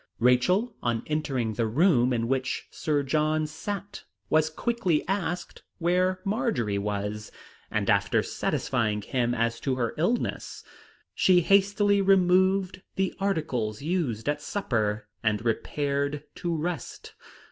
Rachel, on entering the room in which Sir John sat, was quickly asked where Marjory was; and after satisfying him as to her illness, she hastily removed the articles used at supper, and repaired to rest.